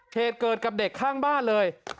เหตุเกิดกับเด็กข้างบ้านเลย